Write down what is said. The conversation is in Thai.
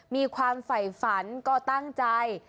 มีความไฝฝันก็ตั้งใจ